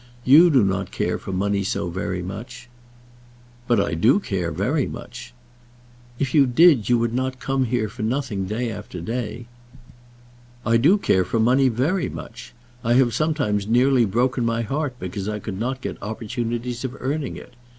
You do not care for money so very much " "But I do care very much." "If you did, you would not come here for nothing day after day." "I do care for money very much. I have sometimes nearly broken my heart because I could not get opportunities of earning it.